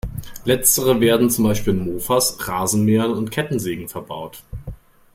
Letztere werden zum Beispiel in Mofas, Rasenmähern und Kettensägen verbaut.